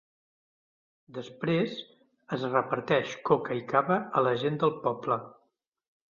Després, es reparteix coca i cava a la gent del poble.